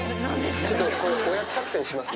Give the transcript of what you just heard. ちょっと、おやつ作戦します。